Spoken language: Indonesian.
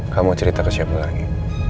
kamu cerita ke siapa lagi